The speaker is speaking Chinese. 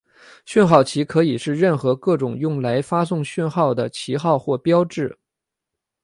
讯号旗可以是任何各种用来发送讯号的旗号或标志。